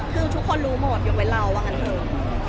คือทุกคนรู้หมดยกเว้นเราว่างั้นเถอะ